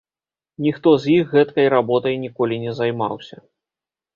Ніхто з іх гэткай работай ніколі не займаўся.